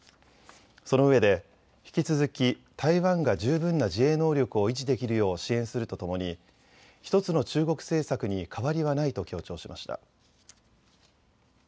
そのうえで引き続き台湾が十分な自衛能力を維持できるよう支援するとともに１つの中国政策に変わりはないと強調しました。